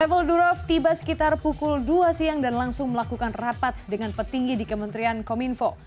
evel durov tiba sekitar pukul dua siang dan langsung melakukan rapat dengan petinggi di kementerian kominfo